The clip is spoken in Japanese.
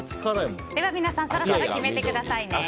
皆さんそろそろ決めてくださいね。